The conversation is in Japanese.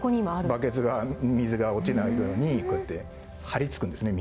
バケツが水が落ちないようにこうやって貼り付くんですね